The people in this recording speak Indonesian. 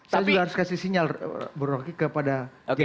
saya juga harus kasih sinyal bu rocky kepada gerindra